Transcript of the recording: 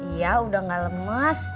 ya udah gak lemes